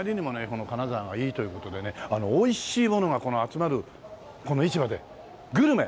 この金沢がいいという事でねおいしいものがこの集まるこの市場でグルメ！